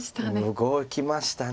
動きました。